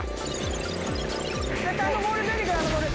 絶対あのボール出てくるあのボール！